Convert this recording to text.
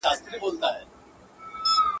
فتحه زما ده، فخر زما دی، جشن زما دی.